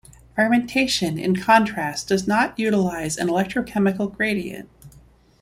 Fermentation, in contrast, does not utilize an electrochemical gradient.